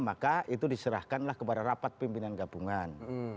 maka itu diserahkanlah kepada rapat pimpinan gabungan